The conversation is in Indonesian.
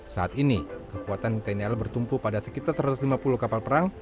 saat ini kekuatan tni al bertumpu pada sekitar satu ratus lima puluh kapal perang